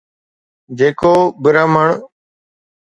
جيڪو برهمڻ